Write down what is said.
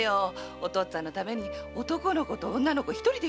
お父っつぁんのために男の子と女の子一人でやってるんだもの。